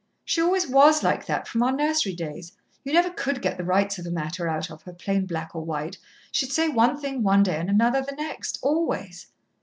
"She always was like that, from our nursery days. You never could get the rights of a matter out of her plain black or white she'd say one thing one day and another the next, always."